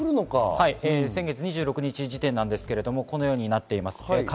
先月２６日時点ですが、このようになっています。